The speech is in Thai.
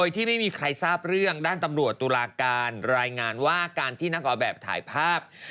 ที่ไม่มีใครทราบเรื่องด้านตำรวจตุลาการรายงานว่าการที่นักออกแบบถ่ายภาพ